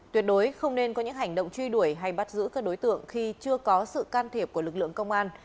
tuyệt đối không nên có những hành động truy đuổi hay bắt giữ các đối tượng khi chưa có sự can thiệp của lực lượng công an